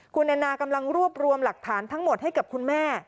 คุณแอนนากำลังรวบรวมหลักฐานทั้งหมดให้กับคุณแม่